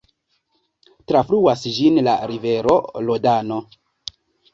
Trafluas ĝin la rivero Rodano.